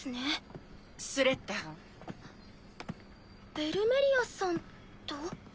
ベルメリアさんと。